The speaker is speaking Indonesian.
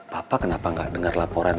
papa kenapa gak denger laporan